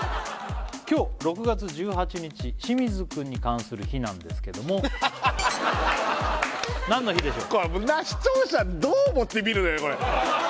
今日６月１８日清水くんに関する日なんですけども何の日でしょう？